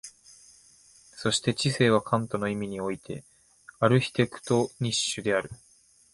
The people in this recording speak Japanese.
そして知性はカントの意味においてアルヒテクトニッシュである。